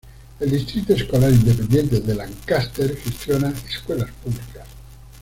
El Distrito Escolar Independiente de Lancaster gestiona escuelas públicas.